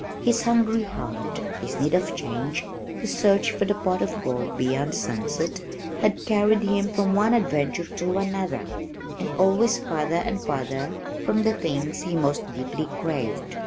His hungry heart, his need of change, his search for the pot of gold beyond the sunset, had carried him from one adventure to another and always farther and farther from the things he most deeply craved.